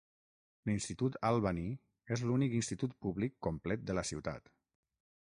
L'institut Albany és l'únic institut públic complet de la ciutat.